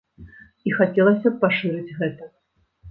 І хацелася б пашырыць гэта.